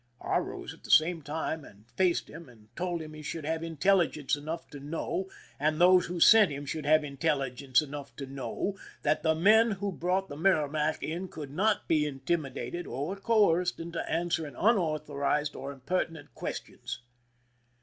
I rose at the same time, and faced him, and told him he should have intelligence enough to know, and those who sent him should have intelli gence enough to know, that the men who brought the Merrimac in could not be intimidated or coerced into answering unauthorized or impertinent ques tions.